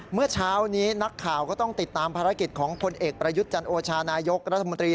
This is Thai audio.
เมื่อเช้านี้นักข่าวก็ต้องติดตามภารกิจของพลเอกประยุทธ์จันโอชานายกรัฐมนตรี